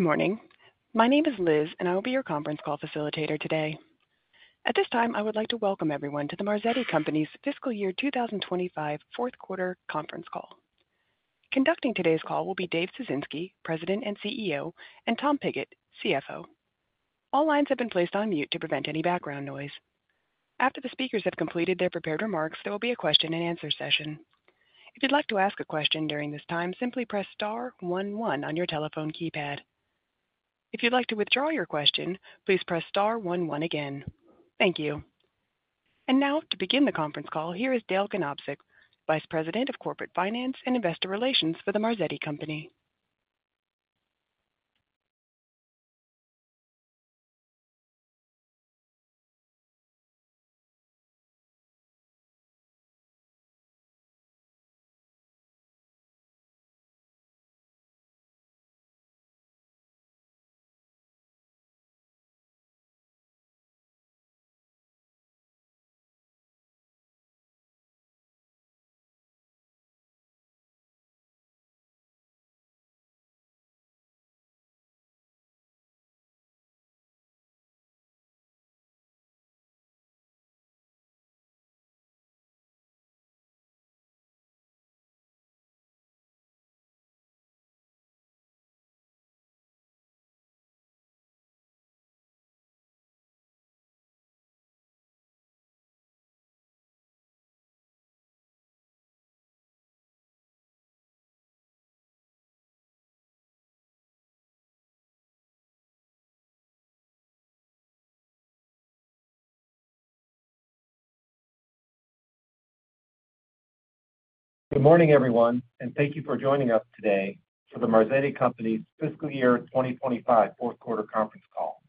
Morning. My name is Liz and I will be your conference call facilitator today. At this time, I would like to welcome everyone to The Marzetti Company's fiscal year 2025 Fourth Quarter Conference Call. Conducting today's call will be Dave Ciesinski, President and CEO, and Tom Pigott, CFO. All lines have been placed on mute to prevent any background noise. After the speakers have completed their prepared remarks, there will be a question and answer session. If you'd like to ask a question during this time, simply press Star 11 on your telephone keypad. If you'd like to withdraw your question, please press Star 11 again. Thank you. Now to begin the conference call, here is Dale Ganobsik, Vice President of Corporate Finance and Investor Relations for The Marzetti Company. Good morning everyone and thank you for joining us today for The Marzetti Company Fiscal Year 2025 Fourth Quarter Conference Call.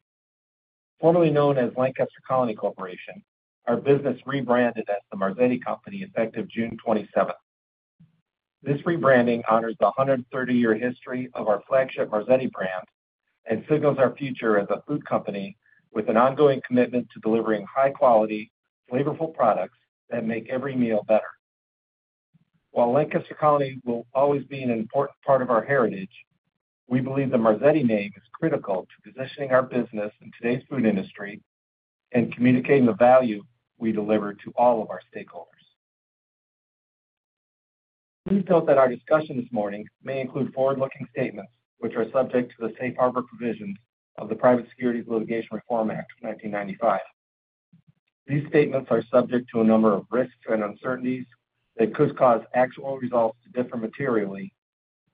Formerly known as Lancaster Colony Corporation, our business rebranded as The Marzetti Company, effective June 27th. This rebranding honors the 130-year history of our flagship Marzetti brand and signals our future as a food company with an ongoing commitment to delivering high-quality, flavorful products that make every meal better. While Lancaster Colony will always be an important part of our heritage, we believe the Marzetti name is critical to positioning our business in today's food industry and communicating the value we deliver to all of our stakeholders. Please note that our discussion this morning may include forward-looking statements which are subject to the safe harbor provision of the Private Securities Litigation Reform Act of 1995. These statements are subject to a number of risks and uncertainties that could cause actual results to differ materially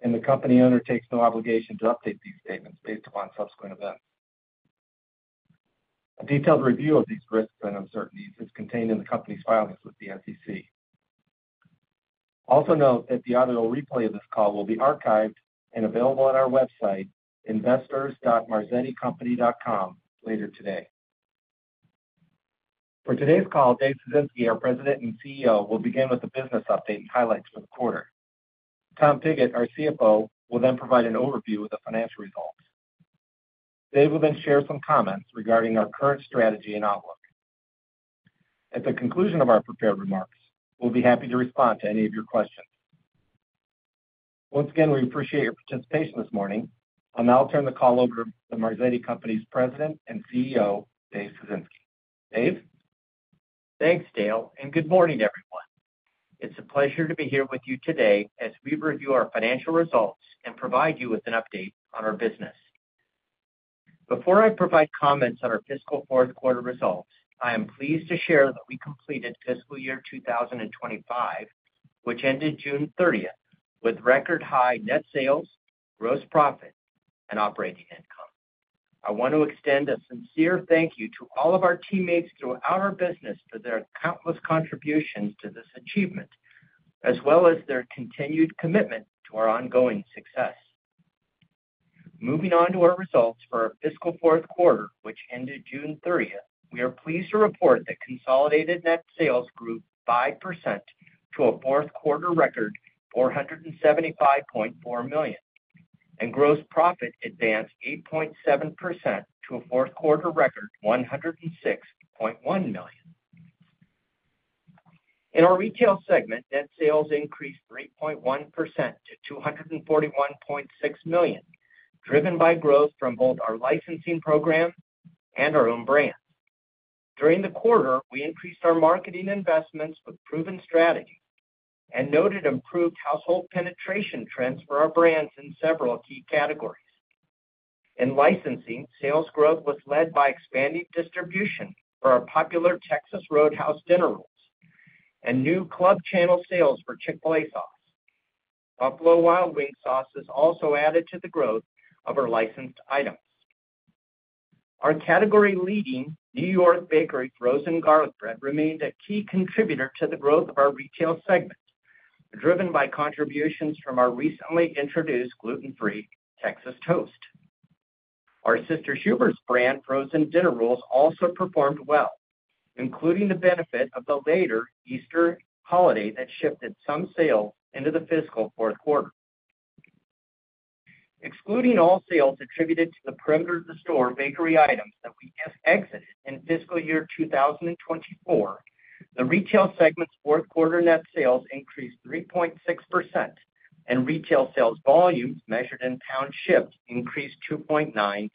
and the company undertakes no obligation to update these statements based upon subsequent events. A detailed review of these risks and uncertainties is contained in the company's filings with the SEC. Also note that the audio replay of this call will be archived and available on our website investors.marzetticompany.com later today. For today's call, Dave Ciesinski, our President and CEO will begin with the business update and highlights for the quarter. Tom Pigott, our CFO, will then provide an overview of the financial results. Dave will then share some comment regarding our current strategy and outlook. At the conclusion of our prepared remarks, we'll be happy to respond to any of your questions. Once again, we appreciate your participation this morning. I'll now turn the call over to The Marzetti Company's President and CEO, Dave Ciesinski. Dave? Thanks, Dale, and good morning, everyone. It's a pleasure to be here with you today as we review our financial results and provide you with an update. Update on our business. Before I provide comments on our fiscal fourth quarter results, I am pleased to share that we completed fiscal year 2025, which ended June 30th, with record high net sales, gross profit, and operating income. I want to extend a sincere thank you to all of our teammates throughout our business for their countless contributions to this achievement as well as their continued commitment to our ongoing success. Moving on to our results for our fiscal fourth quarter, which ended June 30th, we are pleased to report that consolidated net sales grew 5% to a fourth quarter record of $175.4 million, and gross profit advanced 8.7% to a fourth quarter record of $106.1 million. In our retail segment, net sales increased 3.1% to $241.6 million, driven by growth from both our licensing program and our own brand. During the quarter, we increased our marketing investments with proven strategy and noted improved household penetration trends for our brands in several key categories. In licensing, sales growth was led by expanded distribution for our popular Texas Roadhouse Dinner Rolls and new club channel sales for Chick-fil-A sauces. Buffalo Wild Wings sauces also added to the growth of our licensed items. Our category-leading New York Bakery Frozen Garlic Bread remains a key contributor to the growth of our retail segment, driven by contributions from our recently introduced gluten-free Texas Toast. Our Sister Schubert's brand frozen dinner rolls also performed well, including the benefit of the later Easter holiday that shifted some sales into the fiscal fourth quarter. Excluding all sales attributed to the perimeter of the store bakery items that we just exited in fiscal year 2024, the retail segment fourth quarter net sales increased 3.6%, and retail sales volumes measured in pounds shipped increased 2.9%.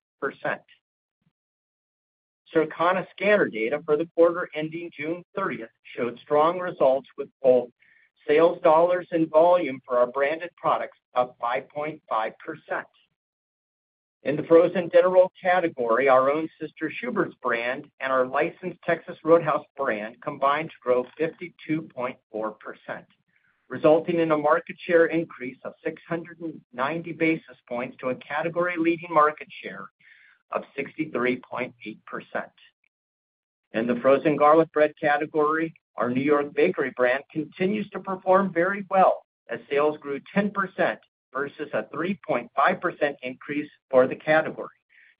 Circana scanner data for the quarter ending June 30th showed strong results with both sales dollars and volume for our branded products up 5.5%. In the frozen dinner roll category, our own Sister Schubert's brand and our licensed Texas Roadhouse brand combined to grow 52.4%, resulting in a market share increase of 690 basis points to a category-leading market share of 63.8%. In the frozen garlic bread category, our New York Bakery brand continues to perform very well as sales grew 10% versus a 3.5% increase for the category,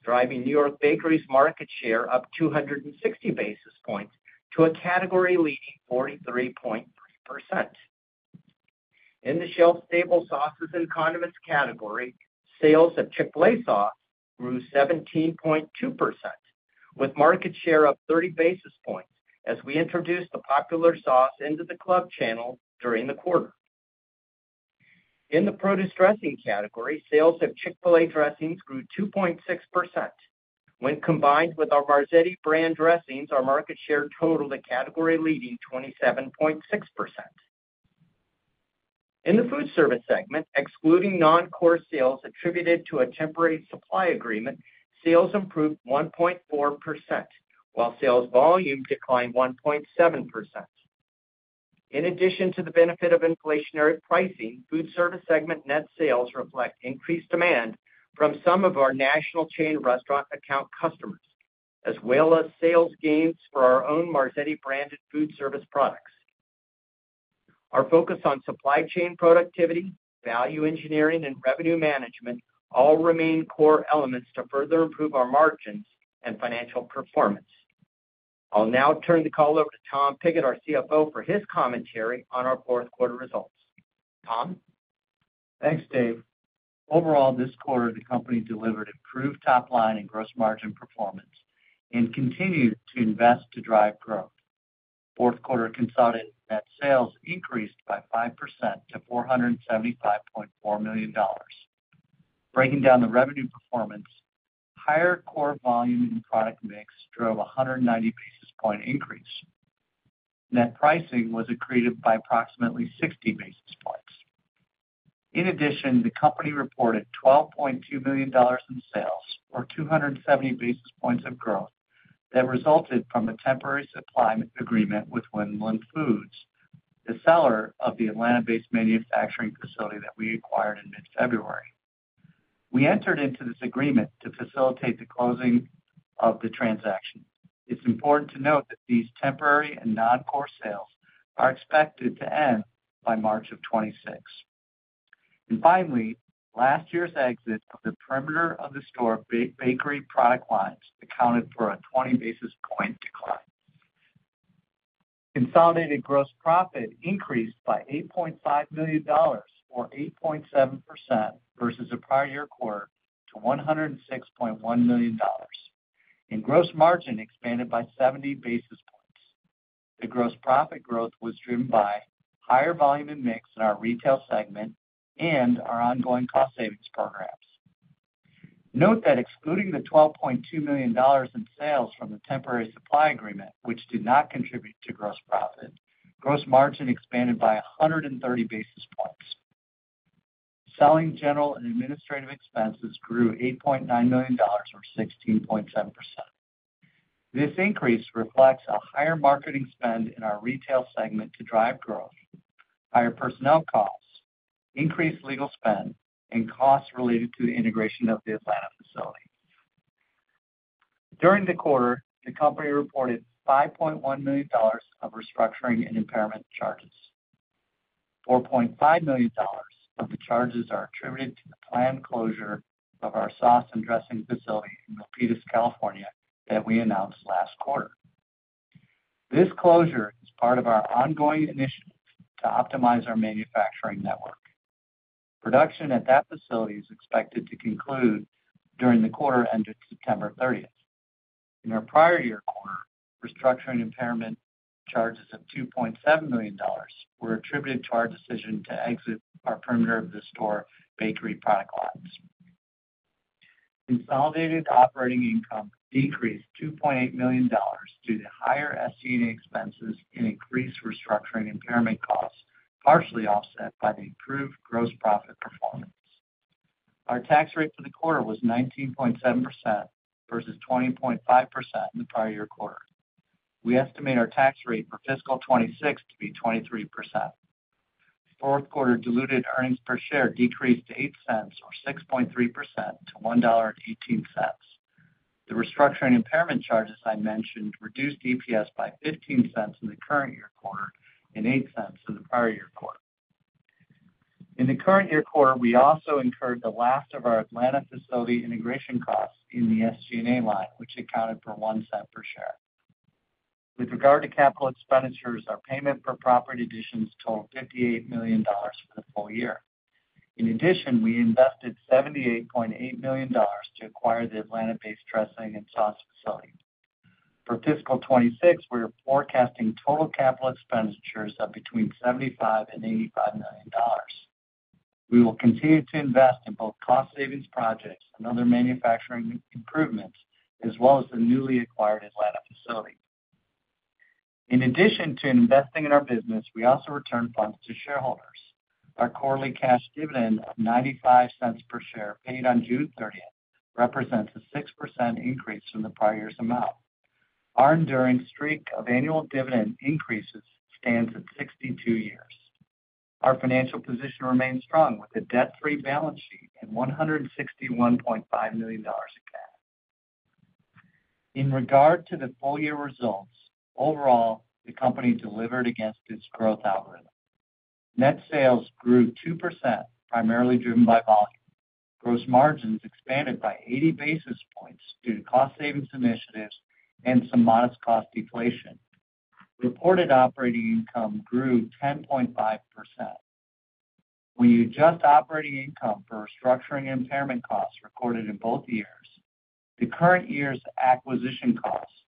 driving New York Bakery's market share up 260 basis points to a category-leading [43.3%]. In the shelf staples sauces and condiments category, sales of Chick-fil-A sauces grew 17.2% with market share up 30 basis points as we introduced the popular sauce into the club channel during the quarter. In the produce dressing category, sales of Chick-fil-A dressings grew 2.6%. When combined with our Marzetti brand dressings, our market share totaled a category-leading 27.6%. In the foodservice segment, excluding non-core sales attributed to a temporary supply agreement, sales improved 1.4% while sales volume declined 1.7%. In addition to the benefit of inflationary pricing, foodservice segment net sales reflect increased demand from some of our national chain restaurant account customers as well as sales gains for our own Marzetti-branded foodservice products. Our focus on supply chain productivity, value engineering, and revenue management all remain core elements to further improve our margins and financial performance. I'll now turn the call over to Tom Pigott, our CFO, for his commentary on our fourth quarter results. Tom? Thanks Dave. Overall, this quarter the company delivered improved top-line and gross margin performance and continued to invest to drive growth. Fourth quarter consolidated net sales increased by 5% to $475.4 million. Breaking down the revenue performance, higher core volume and product mix drove a 190 basis point increase. Net pricing was accretive by approximately 60 basis points. In addition, the company reported $12.2 million in sales, or 270 basis points of growth, that resulted from a temporary supply agreement with Winland Foods, the seller of the Atlanta-based manufacturing facility that we acquired in mid-February. We entered into this agreement to facilitate the closing of the transaction. It's important to note that these temporary and non-core sales are expected to end by March of 2026. Last year's exit of the perimeter of the store bakery product lines accounted for a 20 basis point decline. Consolidated gross profit increased by $8.5 million, or 8.7% versus the prior year quarter, to $106.1 million, and gross margin expanded by 70 basis points. The gross profit growth was driven by higher volume and mix in our retail segment and our ongoing cost savings programs. Note that excluding the $12.2 million in sales from the temporary supply agreement, which did not contribute to gross profit, gross margin expanded by 130 basis points. Selling, general, and administrative expenses grew $8.9 million, or 16.7%. This increase reflects a higher marketing spend in our retail segment to drive growth, higher personnel costs, increased legal spend, and costs related to the integration of the Atlanta facility. During the quarter, the company reported $5.1 million of restructuring and impairment charges. $4.5 million of the charges are attributed to the planned closure of our sauce and dressing facility in Milpitas, California, that we announced last quarter. This closure is part of our ongoing initiative to optimize our manufacturing network. Production at that facility is expected to conclude during the quarter ended September 30th. In our prior year quarter, restructuring and impairment charges of $2.7 million were attributed to our decision to exit our perimeter of the store bakery product lines. Consolidated operating income increased $2.8 million due to higher SG&A expenses and increased restructuring and impairment costs, partially offset by the improved gross profit performance. Our tax rate for the quarter was 19.7% versus 20.5% in the prior year quarter. We estimate our tax rate for fiscal 2026 to be 23%. Fourth quarter diluted earnings per share decreased $0.08 or 6.3% to $1.18. The restructuring impairment charges I mentioned reduced EPS by $0.15 in the current year quarter and $0.08 in the prior year quarter. In the current year quarter, we also incurred the last of our Atlanta facility integration costs in the SG&A line, which accounted for $0.01 per share. With regard to capital expenditures, our payment for property additions totaled $58 million for the full year. In addition, we invested $78.8 million to acquire the Atlanta-based [Trust Lake] and Sauce facility. For fiscal 2026, we're forecasting total capital expenditures of between $75 million and $85 million. We will continue to invest in both cost savings projects and other manufacturing improvements as well as the newly acquired Atlanta facility. In addition to investing in our business, we also return funds to shareholders. Our quarterly cash dividend of $0.95 per share paid on June 30th represents a 6% increase from the prior year's amount. Our enduring streak of annual dividend increases stands at 62 years. Our financial position remains strong with a debt-free balance sheet and $161.5 million in cash. In regard to the full year results overall, the company delivered against its growth outlook. Net sales grew 2%, primarily driven by. Gross margins expanded by 80 basis points due to cost savings initiatives and some modest cost deflation. Reported operating income grew 10.5%. We adjust operating income for restructuring impairment costs recorded in both years, the current year's acquisition costs,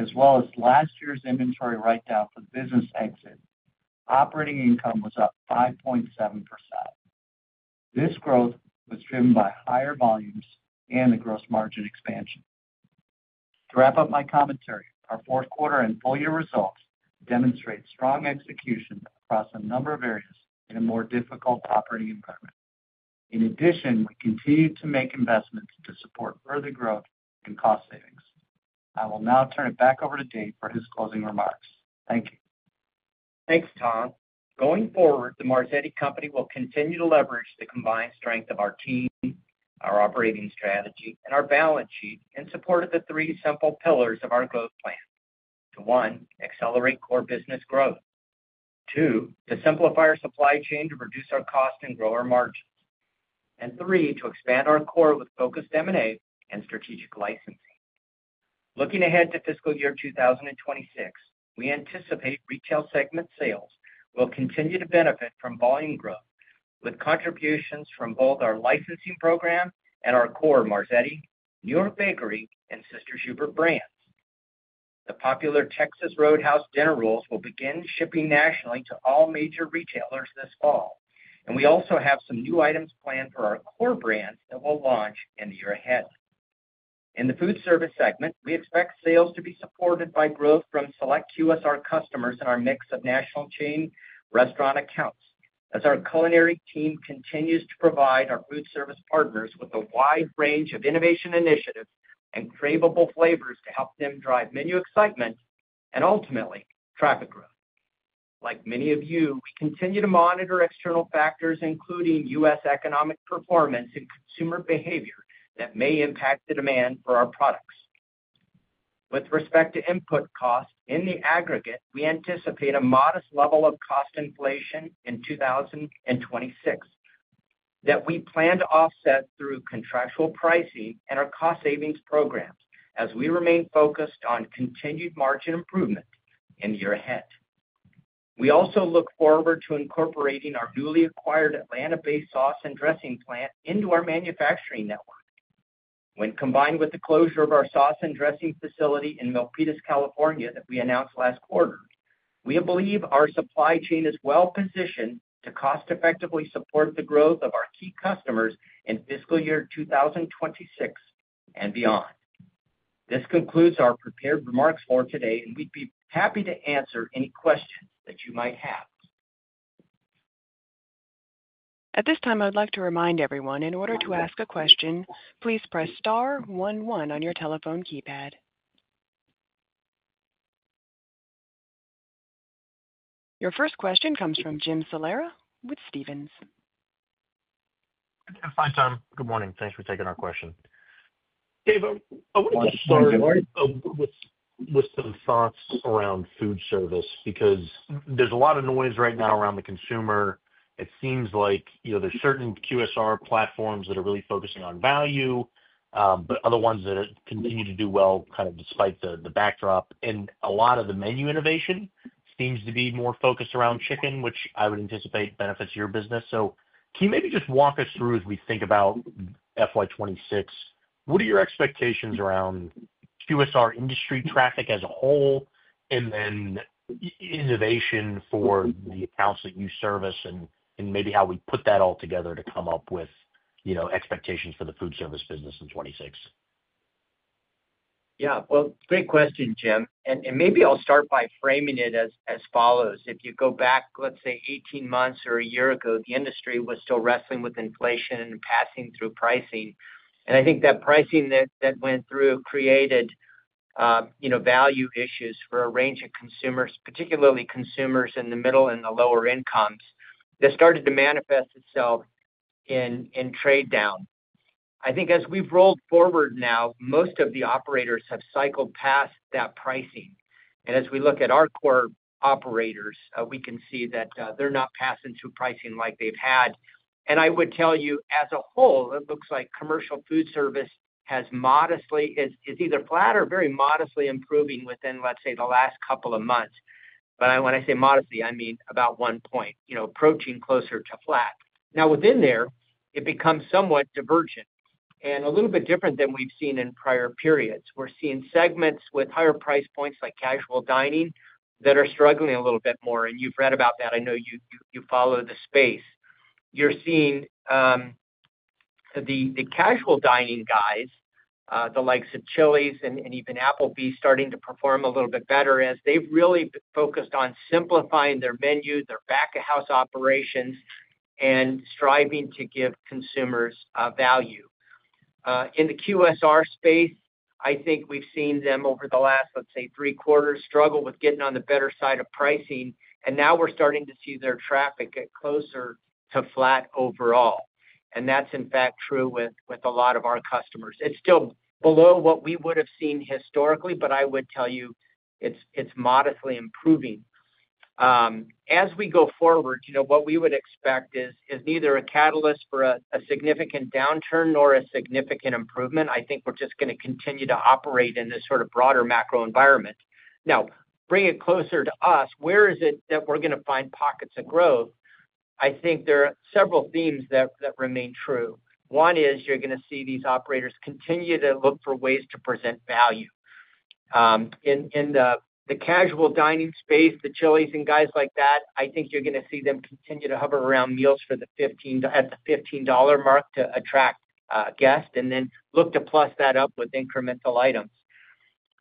as well as last year's inventory write-down for business exit. Operating income was up 5.7%. This growth was driven by higher volumes and the gross margin expansion. To wrap up my commentary, our fourth quarter and full year results demonstrate strong execution across a number of areas in a more difficult operating environment. In addition, we continue to make investments to support further growth and cost savings. I will now turn it back over to Dave for his closing remarks. Thank you. Thanks, Tom. Going forward, The Marzetti Company will continue to leverage the combined strength of our team, our operating strategy, and our balance sheet in support of the three simple pillars of our growth plan: 1. accelerate core business growth, 2. simplify our supply chain to reduce our cost and grow our margin, and 3. expand our core with focused M&A and strategic licensing. Looking ahead to fiscal year 2026, we anticipate retail segment sales will continue to benefit from volume growth with contributions from both our licensing program and our core Marzetti, New York Bakery, and Sister Schubert's brands. The popular Texas Roadhouse Dinner Rolls will begin shipping nationally to all major retailers this fall, and we also have some new items planned for our core brands that will launch in the year ahead. In the foodservice segment, we expect sales to be supported by growth from select QSR customers in our mix of national chain restaurant accounts as our culinary team continues to provide our foodservice partners with a wide range of innovation initiatives and craveable flavors to help them drive menu excitement and ultimately traffic growth. Like many of you, we continue to monitor external factors including U.S. economic performance and consumer behavior that may impact the demand for our products. With respect to input costs, in the aggregate, we anticipate a modest level of cost inflation in 2026 that we plan to offset through contractual pricing and our cost savings program as we remain focused on continued margin improvement in the year ahead. We also look forward to incorporating our newly acquired Atlanta-based sauce and dressing plant into our manufacturing network. When combined with the closure of our sauce and dressing facility in Milpitas, California that we announced last quarter, we believe our supply chain is well positioned to cost effectively support the growth of our key customers in fiscal year 2026 and beyond. This concludes our prepared remarks for today and we'd be happy to answer any questions that you might have. At this time, I'd like to remind everyone, in order to ask a question, please press star 11 on your telephone keypad. Your first question comes from Jim Salera with Stephens. I'm fine, Tom. Good morning. Thanks for taking our question. Dave, I want to start with some thoughts around foodservice because there's a lot of noise right now around the consumer. It seems like, you know, there are certain QSR platforms that are really focusing on value, but other ones that continue to do well, kind of despite the backdrop. A lot of the menu innovation seems to be more focused around chicken. Which I would anticipate benefits your business. Can you maybe just walk us through as we think about FY 2026, what are your expectations around QSR industry traffic as a whole and then innovation for the accounts that you service and maybe how we put that all together to come up with expectations for the foodservice business in 2026? Great question, Jim. Maybe I'll start by framing it as follows. If you go back, let's say 18 months or a year ago, the industry was still wrestling with inflation and passing through pricing. I think that pricing that went through created value issues for a range of consumers, particularly consumers in the middle and the lower incomes that started to manifest itself in trade down. As we've rolled forward now, most of the operators have cycled past that pricing. As we look at our core operators, we can see that they're not passing through pricing like they've had. I would tell you as a whole, it looks like commercial foodservice has modestly, it's either flat or very modestly improving within, let's say, the last couple of months. When I say modestly, I mean about one point, approaching closer to flat. Within there, it becomes somewhat divergent and a little bit different than we've seen in prior periods. We're seeing segments with higher price points like casual dining that are struggling a little bit more. You've read about that. I know you follow the space. You're seeing the casual dining guys, the likes of Chili's and even Applebee's, starting to perform a little bit better as they've really focused on simplifying their back of house operations and striving to give consumers value. In the QSR space, I think we've seen them over the last, let's say, three quarters struggle with getting on the better side of pricing. Now we're starting to see their traffic get closer to flat overall. That's in fact true with a lot of our customers. It's still below what we would have seen historically. I would tell you, modestly improving. As we go forward, what we would expect is neither a catalyst for a significant downturn nor a significant improvement. I think we're just going to continue to operate in this sort of broader macro environment. Now, bringing it closer to us, where is it that we're going to find pockets of growth? I think there are several themes that remain true. One is you're going to see these operators continue to look for ways to present value. In the casual dining space, the Chili's and guys like that, I think you're going to see them continue to hover around meals for the $15 mark to attract guests and then look to plus that up with incremental items.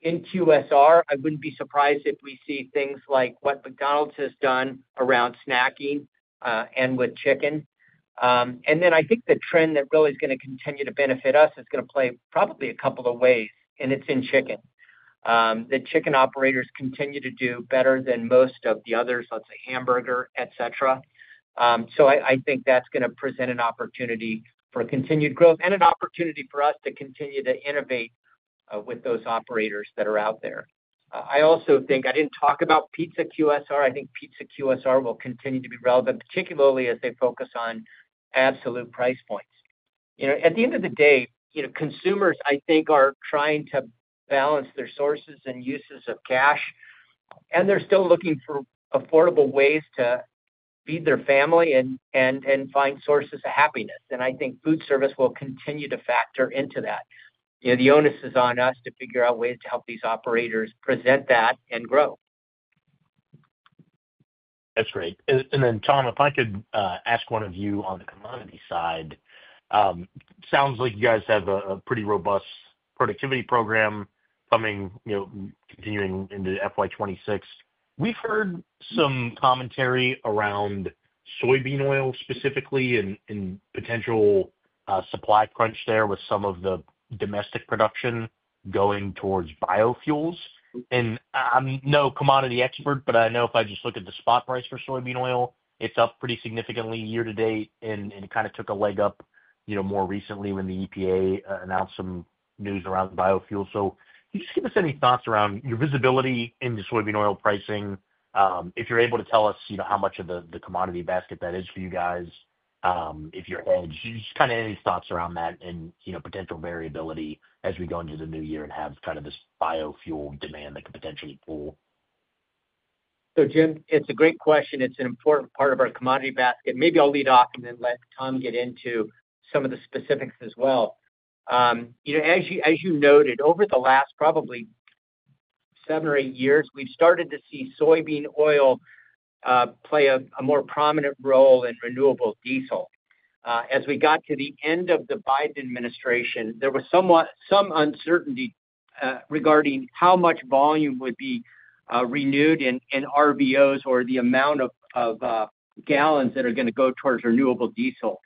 In QSR, I wouldn't be surprised if we see things like what McDonald's has done around snacking and with chicken. I think the trend that really is going to continue to benefit us is going to play probably a couple of ways, and it's in chicken. The chicken operators continue to do better than most of the others, let's say hamburger, et cetera. I think that's going to present an opportunity for continued growth and an opportunity for us to continue to innovate with those operators that are out there. I also think I didn't talk about pizza QSR. I think pizza QSR will continue to be relevant, particularly as they focus on absolute price points. At the end of the day, consumers, I think, are trying to balance their sources and uses of cash, and they're still looking for affordable ways to feed their family and find sources of happiness. I think foodservice will continue to factor into that. The onus is on us to figure out ways to help these operators present that and grow. That's great. Tom, if I could ask one of you on the commodity side. Sounds like you guys have a pretty robust productivity program coming, continuing into FY 2026. We've heard some commentary around soybean oil specifically, and potential supply crunch there with some of the domestic production going towards biofuels. I'm no commodity expert, but I know if I just look at the spot price for soybean oil, it's up pretty significantly year to date. It kind of took a leg up more recently when the EPA announced some news around biofuels, just give us any thoughts around your visibility into soybean oil pricing, if you're able to tell us how much of the commodity basket is that is for you guys. If you're just, kind of any thoughts around that, and you know, potential variability as we go into the new year and have kind of this biofuel demand that could potentially pull. Jim, it's a great question. It's an important part of our commodity basket. Maybe I'll lead off and then let Tom get into some of the specifics as well. As you noted, over the last probably seven or eight years, we've started to see soybean oil play a more prominent role in renewable diesel. As we got to the end of the Biden administration, there was some uncertainty regarding how much volume would be renewed in RVOs or the amount of gallons that are going to go towards renewable diesel.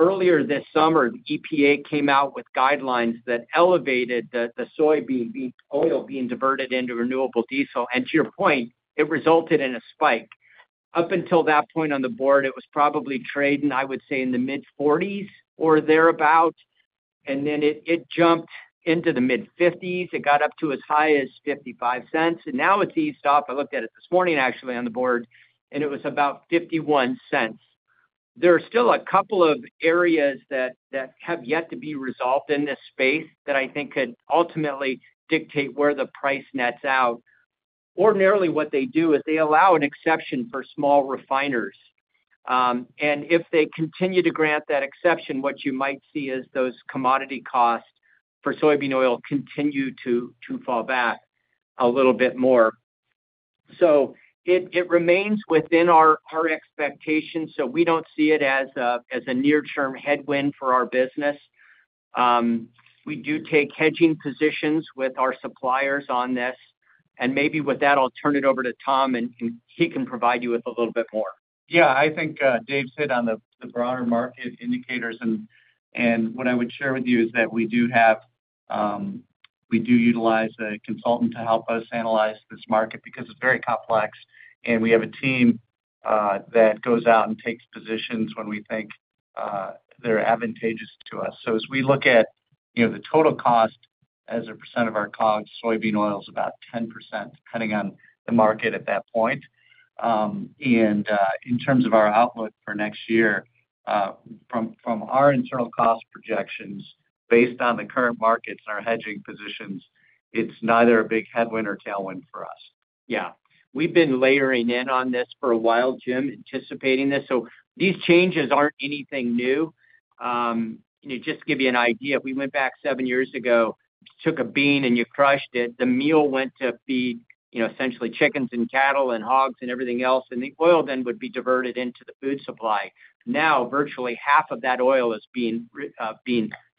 Earlier this summer, the EPA came out with guidelines that elevated the soy oil being diverted into renewable diesel. To your point, it resulted in a spike. Up until that point on the board, it was probably trading, I would say, in the mid-40s or thereabout. Then it jumped into the mid-50s, it got up to as high as $0.55 and now it's eased off. I looked at it this morning actually on the board and it was about $0.51. There are still a couple of areas that have yet to be resolved in this space that I think could ultimately dictate where the price nets out. Ordinarily, what they do is they allow an exception for small refiners. If they continue to grant that exception, what you might see is those commodity costs for soybean oil continue to fall back a little bit more. It remains within our expectations. We don't see it as a near term headwind for our business. We do take hedging positions with our suppliers on this and maybe with that I'll turn it over to Tom and he can provide you with a little bit more. I think Dave said on the broader market indicators, and what I would share with you is that we do utilize a consultant to help us analyze this market because it's very complex, and we have a team that goes out and takes positions when we think they're advantageous to us. As we look at the total cost as a percent of our COGS, soybean oil is about 10% depending on the market at that point. In terms of our outlook for next year, from our internal cost projections based on the current markets and our hedging positions, it's neither a big headwind or tailwind for us. Yeah, we've been layering in on this for a while, Jim, anticipating this. These changes aren't anything new. Just to give you an idea, if we went back seven years ago, took a bean and you crushed it, the meal went to feed essentially chickens and cattle and hogs and everything else, and the oil then would be diverted into the food supply. Now, virtually half of that oil is being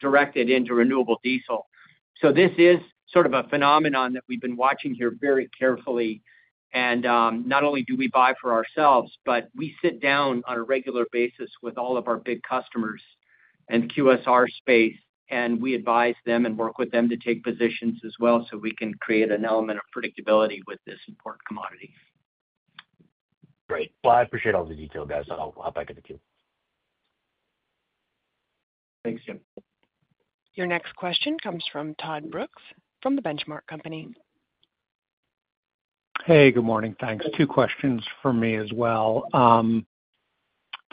directed into renewable diesel. This is sort of a phenomenon that we've been watching here very carefully. Not only do we buy for ourselves, but we sit down on a regular basis with all of our big customers in the QSR space and we advise them and work with them to take positions as well so we can create an element of predictability with this important commodity. Great. I appreciate all the detail, guys. I'll hop back in the queue. Thanks, Jim. Your next question comes from Todd Brooks from The Benchmark Company. Hey, good morning. Thanks. Two questions for me as well.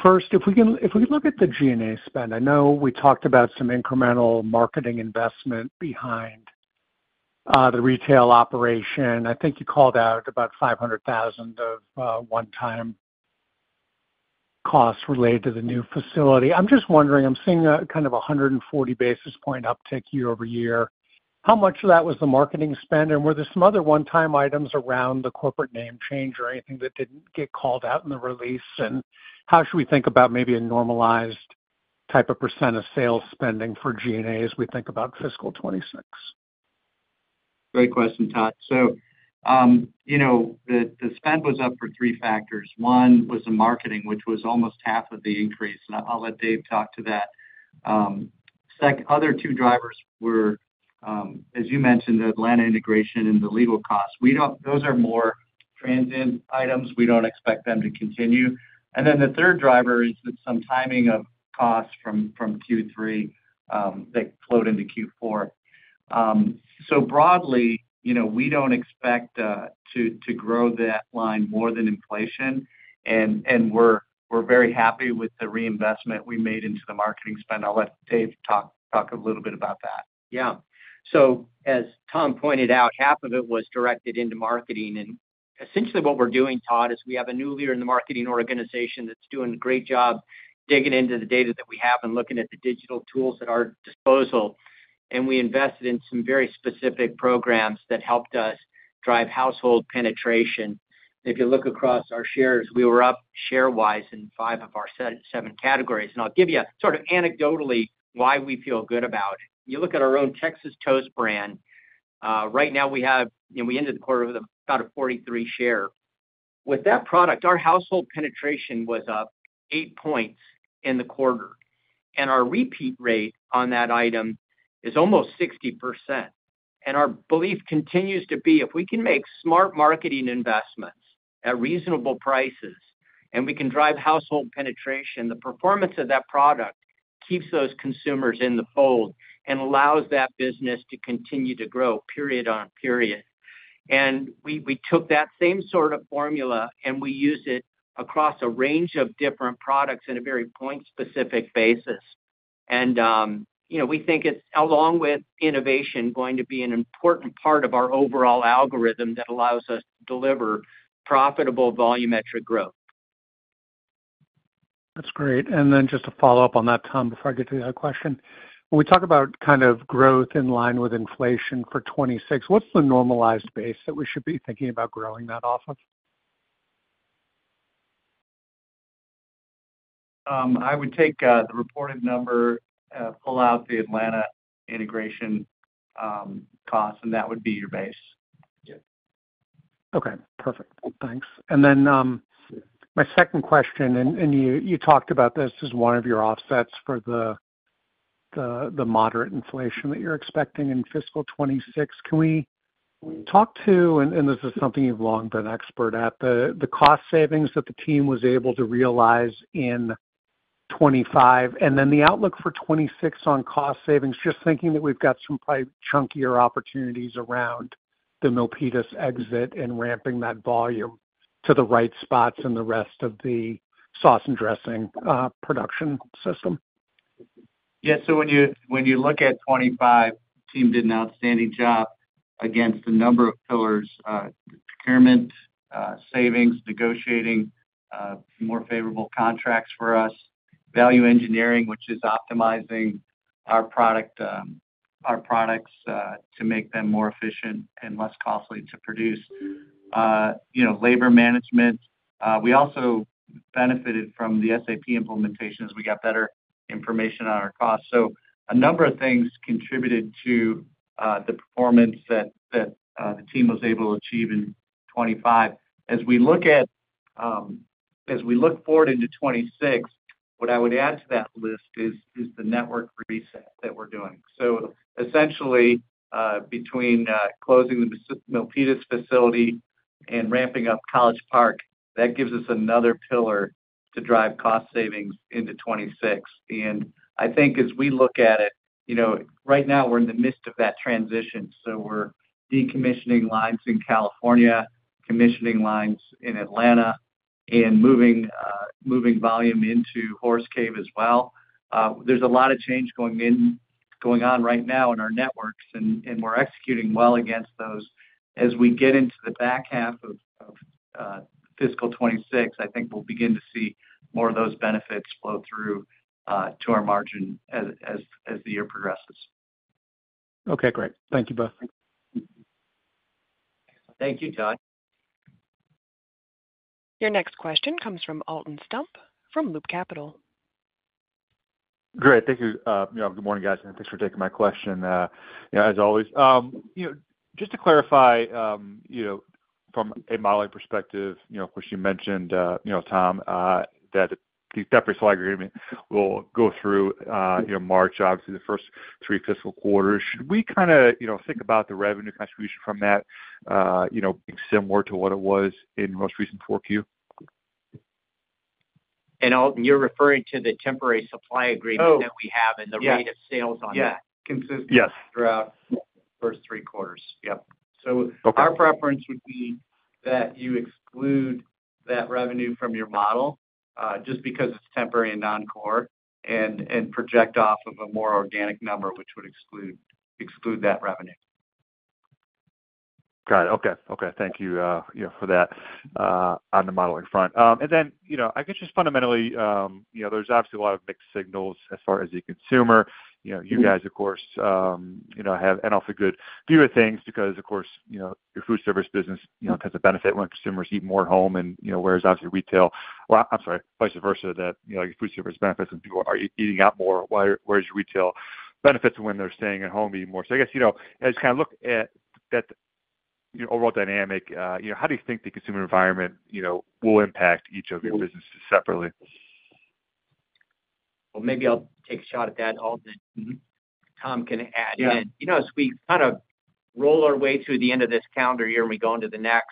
First, if we can, if we look at the G&A spend, I know we talked about some incremental marketing investment behind the retail operation. I think you called out about $500,000 of one-time costs related to the new facility. I'm just wondering, I'm seeing kind of 140 basis point uptick year-over-year. How much of that was the marketing spend and were there some other one-time items around the corporate name change or anything that didn't get called out in the release? How should we think about maybe a normalized type of percent of sales spending for G&A as we think about fiscal 2026? Great question, Todd. The spend was up for three factors. One was the marketing, which was almost half of the increase. I'll let Dave talk to that. The other two drivers were, as you mentioned, the Atlanta integration and the LIDL cost. Those are more transient items. We don't expect them to continue. The third driver is some timing of costs from Q3 that flowed into Q4. Broadly, we don't expect to grow that line more than inflation. We're very happy with the reinvestment we made into the marketing spend. I'll let Dave talk a little bit about that. Yeah. As Tom pointed out, half of it was directed into marketing. Essentially what we're doing, Todd, is we have a new leader in the marketing organization that's doing a great job digging into the data that we have and looking at the digital tools at our disposal. We invested in some very specific programs that helped us drive household penetration. If you look across our shares, we were up share wise in five of our seven categories. I'll give you sort of anecdotally why we feel good about it. You look at our own Texas Toast brand, right now we have, we ended the quarter with about a 43% share. With that product, our household penetration was up 8 points in the quarter and our repeat rate on that item is almost 60%. Our belief continues to be if we can make smart marketing investments at reasonable prices and we can drive household penetration, the performance of that product keeps those consumers in the fold and allows that business to continue to grow, period on period. We took that same sort of formula and we use it across a range of different products in a very point specific basis. We think it's along with innovation going to be an important part of our overall algorithm that allows us to deliver profitable volumetric growth. That's great. Just to follow up on that, Tom, before I get to the other question, when we talk about kind of growth in line with inflation for 2026, what's the normalized base that we should be thinking about growing that off of? I would take the reported number, pull out the Atlanta integration costs, and that would be your base. Okay, perfect. Thanks. My second question, you talked about this as one of your offsets for the moderate inflation that you're expecting in fiscal 2026. Can we talk to, and this is something you've long been expert at, the cost savings that the team was able to achieve in 2025 and then the outlook for 2026 on cost savings? Just thinking that we've got some chunkier opportunities around the Milpitas exit and ramping that volume to the right spots in the rest of the sauce and dressing production system. Yeah. When you look at 2025, the team did an outstanding job against a number of pillars: savings, negotiating more favorable contracts for us, value engineering, which is optimizing our products to make them more efficient and less costly to produce, you know, labor management. We also benefited from the SAP implementation as we got better information on our cost. A number of things contributed to the performance that the team was able to achieve in 2025. As we look forward into 2026, what I would add to that list is the network reset that we're doing. Essentially, between closing the Milpitas facility and ramping up College Park, that gives us another pillar to drive cost savings into 2026. I think as we look at it, right now we're in the midst of that transition. We're decommissioning lines in California, commissioning lines in Atlanta, and moving volume into Horse Cave as well. There's a lot of change going in. Going on right now in our networks. We are executing well against those. As we get into the back half of fiscal 2026, I think we'll begin to see more of those benefits flow through to our margin as the year progresses. Okay, great. Thank you both. Thank you, Todd. Your next question comes from Alton Stump from Loop Capital. Great, thank you. Good morning guys and thanks for taking my question as always. Just to clarify, from a modeling perspective, you mentioned Tom that the debt-free swag agreement will go through March, obviously the first three fiscal quarters. Should we kind of think about the revenue contribution from that similar to what it was in most recent 4Q? Alton, you're referring to the temporary supply agreement that we have, and the rate of sales on that is consistent. Yes, throughout first three quarters. Our preference would be that you exclude that revenue from your model just because it's temporary and non-core and project off of a more organic number, which would exclude that revenue. Got it. Thank you for that on the modeling front. I guess just fundamentally there's obviously a lot of mixed signals as far as the consumer. You guys of course have an awfully good view of things because your foodservice business tends to benefit when consumers eat more at home, whereas obviously retail, I'm sorry, vice versa, that your foodservice benefits when people are eating out more, whereas retail benefits when they're staying at home eating more. I just kind of look at that overall dynamic. How do you think the consumer environment will impact each of your businesses separately? Maybe I'll take a shot at that. Alden. Tom can add in. As we kind of roll our way through the end of this calendar year and we go into the next,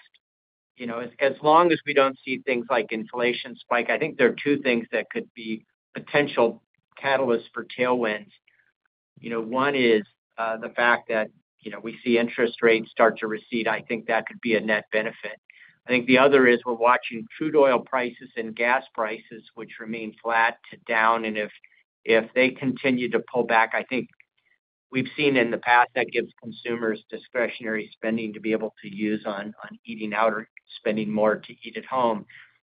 as long as we don't see things like inflation spike, I think there are two things that could be potential catalysts for tailwinds. One is the fact that we see interest rates start to recede. I think that could be a net benefit. I think the other is we're watching crude oil prices and gas prices, which remain flat to down, and if they continue to pull back, I think we've seen in the past that gives consumers discretionary spending to be able to use on eating out or spending more to eat at home.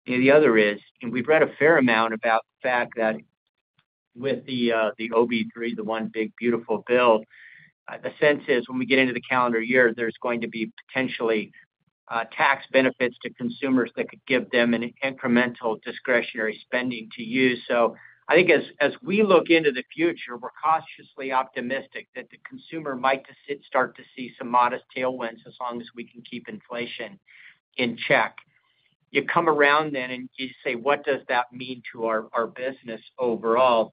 The other is we've read a fair amount about the fact that with the OB3, the one big beautiful build, the sense is when we get into the calendar year, there's going to be potentially tax benefits to consumers that could give them an incremental discretionary spending to use. I think as we look into the future, we're cautiously optimistic that the consumer might start to see some modest tailwinds as long as we can keep inflation in check. You come around then and you say what does that mean to our business overall?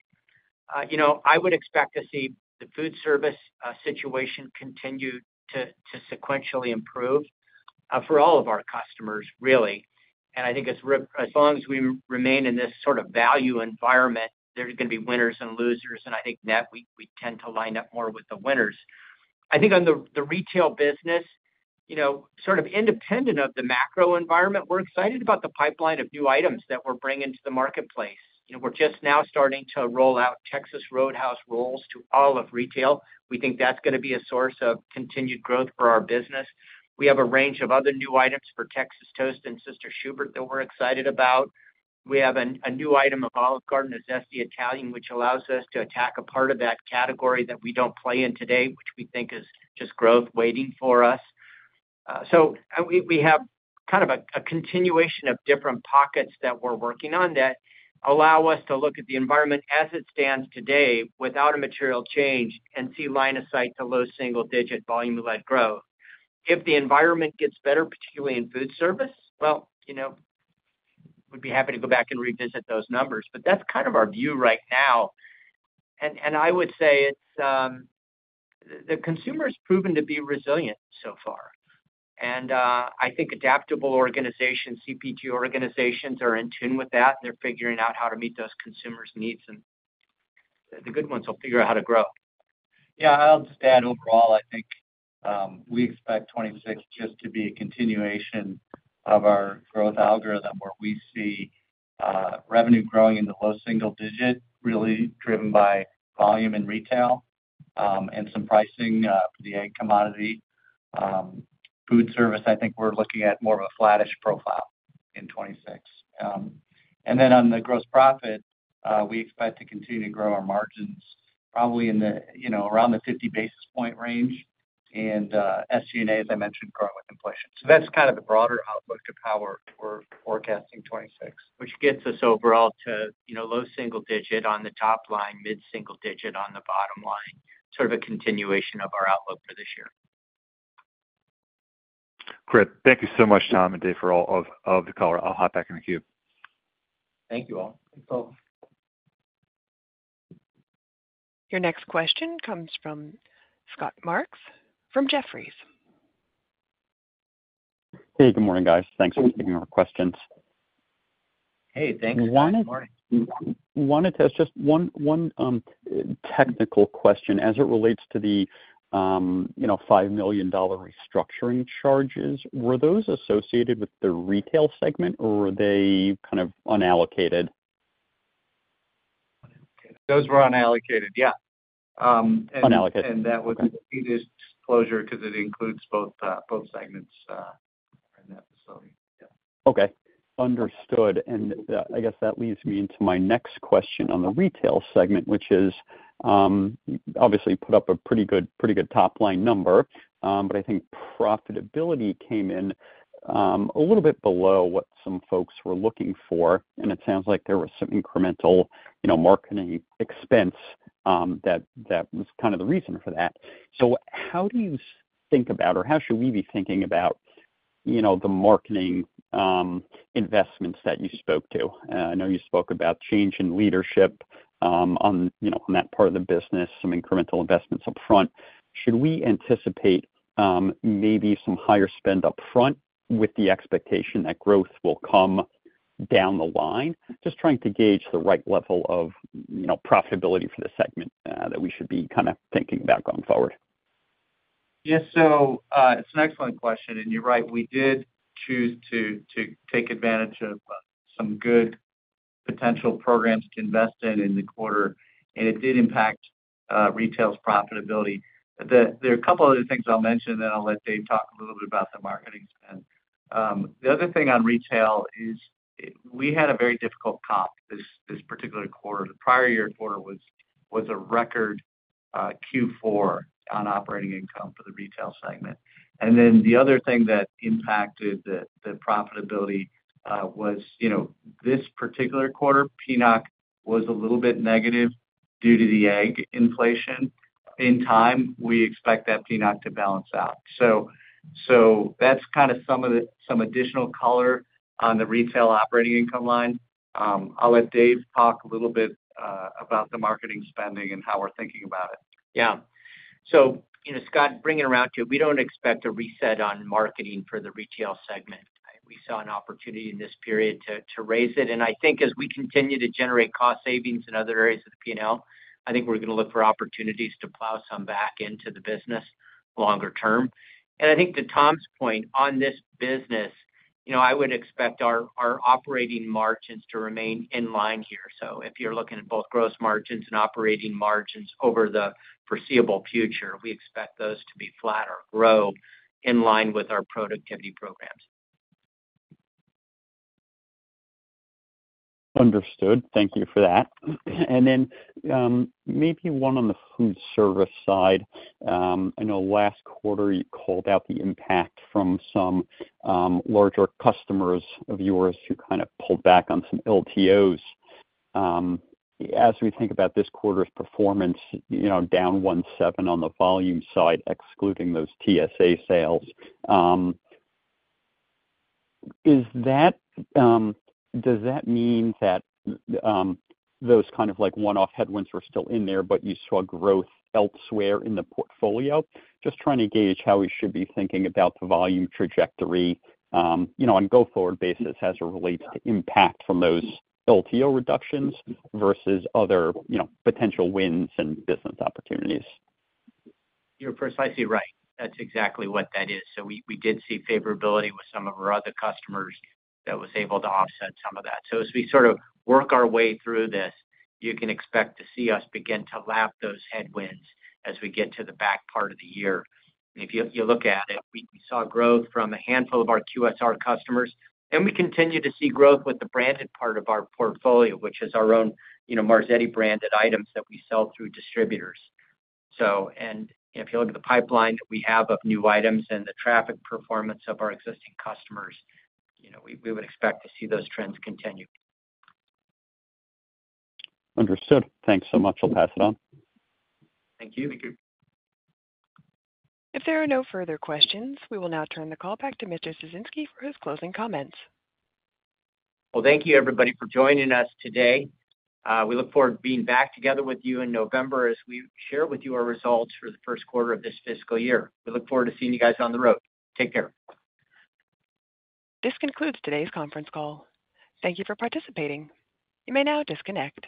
I would expect to see the foodservice situation continue to sequentially improve for all of our customers, really. I think as long as we remain in this sort of value environment, there are going to be winners and losers. I think net we tend to line up more with the winners. I think on the retail segment, sort of independent of the macro environment, we're excited about the pipeline of new items that we're bringing to the marketplace. We're just now starting to roll out Texas Roadhouse Rolls to all of retail. We think that's going to be a source of continued growth for our business. We have a range of other new items for gluten-free Texas Toast and Sister Schubert's that we're excited about. We have a new item of Olive Garden of zesty Italian, which allows us to attack a part of that category that we don't play in today. We think is just growth waiting for us. We have kind of a continuation of different pockets that we're working on that allow us to look at the environment as it stands today without a material change and see line of sight to low single-digit volume-led growth. If the environment gets better, particularly in foodservice, we'd be happy to go back and revisit those numbers, but that's kind of our view right now. I would say the consumer's proven to be resilient so far. I think adaptable organizations, CPG organizations, are in tune with that. They're figuring out how to meet those consumers' needs, and the good ones will. Figure out how to grow. I'll just add overall, I think we expect 2026 just to be a continuation of our growth algorithm where we see revenue growing in the low single digit, really driven by volume in retail and some pricing, the egg commodity foodservice. I think we're looking at more of a flattish profile in 2026. On the gross profit, we expect to continue to grow our margins probably in the, you know, around the 50 basis point range, and SG&A, as I mentioned, growing with inflation. That's kind of the broader outlook of how we're forecasting 2026 which gets us overall to, you know, low single digit on the top line, mid single digit on the bottom line. Sort of a continuation of our outlook for this year. Great. Thank you so much, Tom and Dave, for all of the color. I'll hop back in the queue. Thank you Alton. Your next question comes from Scott Marks from Jefferies. Hey, good morning, guys. Thanks for taking our questions. Hey, thanks. Good morning. Wanted to ask just one technical question as it relates to the $5 million restructuring charges. Were those associated with the retail segment or were they kind of unallocated? Those were unallocated, unallocated, and that was disclosure because it includes both segments. Okay, understood. That leads me into my next question on the retail segment, which has obviously put up a pretty good top line number, but I think profitability came in a little bit below what some folks were looking for. It sounds like there was some incremental marketing expense that was kind of the reason for that. How do you think about or how should we be thinking about the marketing investments that you spoke to? I know you spoke about change in leadership on that part of the business, some incremental investments up front. Should we anticipate maybe some higher spend up front with the expectation that growth will come down the line? Just trying to gauge the right level of profitability for the segment that we should be kind of thinking about going forward. Yes. It's an excellent question. You're right. We did choose to take advantage of some good potential programs to invest in in the quarter, and it did impact retail's profitability. There are a couple other things I'll mention. I'll let Dave talk a little bit about the marketing spend. The other thing on retail is we had a very difficult comp this particular quarter. The prior year quarter was a record Q4 on operating income for the retail segment. The other thing that impacted the profitability was this particular quarter, [PNOC] was a little bit negative due to the egg inflation. In time, we expect that [PNOC] to balance out. That's kind of some additional color on the retail operating income line. I'll let Dave talk a little bit about the marketing spending and how we're thinking about it. Yeah. You know, Scott, bring it around to you. We don't expect a reset on marketing for the retail segment. We saw an opportunity in this period to raise it. I think as we continue to generate cost savings in other areas of the P&L, we're going to look for opportunities to plow some back into the business longer term. I think to Tom's point, on this business, I would expect our operating margins to remain in line here. If you're looking at both gross margins and operating margins over the foreseeable future, we expect those to be flatter, grow in line with our productivity programs. Understood. Thank you for that. Maybe one on the foodservice side, I know last quarter you called out the impact from some larger customers of yours who kind of pulled back on some LTOs. As we think about this quarter's performance, down 1.7% on the volume side, excluding those TSA sales, does that mean that those kind of one-off headwinds were still in there, but you saw growth elsewhere in the portfolio? Just trying to gauge how we should be thinking about the volume trajectory on a go forward basis as it relates to impact from those LTO reductions versus other potential wins and business opportunities. You're precisely right. That's exactly what that is. We did see favorability with some of our other customers that was able to offset some of that. As we sort of work our way through this, you can expect to see us begin to lap those headwinds as we get to the back part of the year. If you look at it, we saw growth from a handful of our QSR customers and we continue to see growth with the branded part of our portfolio, which is our own Marzetti-branded items that we sell through distributors. If you look at the pipeline that we have of new items and the traffic performance of our existing customers, you know, we would expect to see those trends continue. Understood. Thanks so much. I'll pass it on. Thank you. Thank you. If there are no further questions, we will now turn the call back to Mr. Ciesinski for his closing comments. Thank you everybody for joining us today. We look forward to being back together with you in November as we share with you our results for the first quarter of this fiscal year. We look forward to seeing you guys on the road. Take care. This concludes today's conference call. Thank you for participating. You may now disconnect.